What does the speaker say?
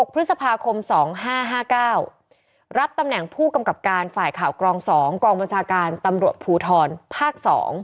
พฤษภาคม๒๕๕๙รับตำแหน่งผู้กำกับการฝ่ายข่าวกรอง๒กองบัญชาการตำรวจภูทรภาค๒